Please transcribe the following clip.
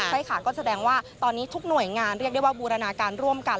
ใช่ค่ะก็แสดงว่าตอนนี้ทุกหน่วยงานเรียกได้ว่าบูรณาการร่วมกัน